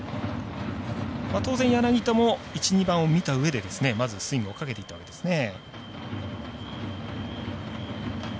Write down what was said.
当然、柳田も１、２番を見たうえでまずスイングをかけていったわけですね。